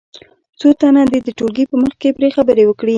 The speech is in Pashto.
څو تنه دې د ټولګي په مخ کې پرې خبرې وکړي.